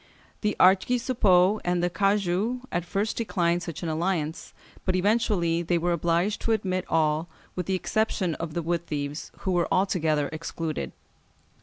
The archisuppôts and the cagoux at first declined such an alliance, but eventually they were obliged to admit all, with the exception of the wood thieves, who were altogether excluded.